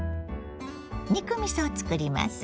肉みそを作ります。